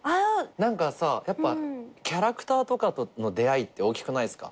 何かさやっぱキャラクターとかとの出会いって大きくないですか？